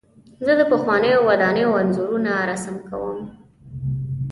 زه د پخوانیو ودانیو انځورونه رسم کوم.